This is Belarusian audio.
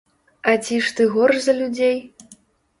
А ці ж ты горш за людзей?